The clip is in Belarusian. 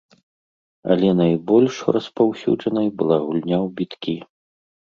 Але найбольш распаўсюджанай была гульня ў біткі.